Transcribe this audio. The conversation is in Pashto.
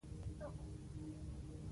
پیرودونکی د پیرود پر وخت موسکی و.